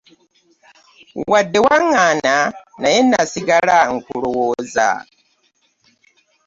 Wadde waŋŋaana naye nasigala nkulowooza.